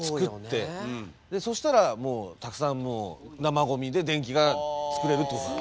そしたらもうたくさん生ゴミで電気が作れるってことなんで。